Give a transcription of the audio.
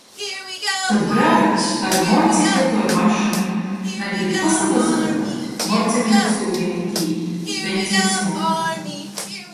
Tod brauc – ar mocikletu, ar mašynu. Nagribit pasavyzynuot? Mociklets, ūdi mutē. Benzina smoka.